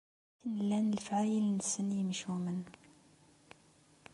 Akken llan lefɛayel-nsen yimcumen.